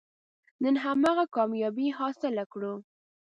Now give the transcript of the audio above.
نن هماغه کامیابي حاصله کړو.